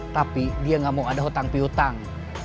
tapi dia gak mau ada hutang pihutang